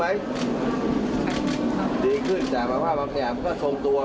ถ้าคุณท้ายกายมาหลายปีคุณรู้ว่า